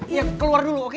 iya keluar dulu oke